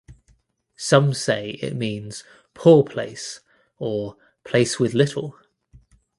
Some say it means "poor place" or "place with little".